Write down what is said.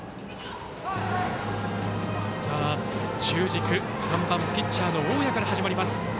中軸、３番ピッチャーの大矢から始まります